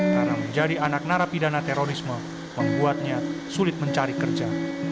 karena menjadi anak narapidana terorisme membuatnya sulit mencari kerja